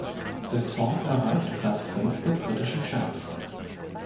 Der Song erreichte Platz fünf der britischen Charts.